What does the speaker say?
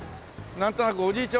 なんとなくおじいちゃん